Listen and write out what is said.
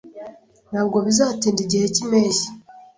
Ntabwo bizatinda igihe cy'impeshyi.